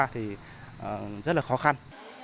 thì rất là khó khăn